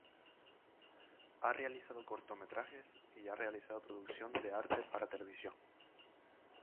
Ha realizado cortometrajes y ha realizado producción de arte para televisión.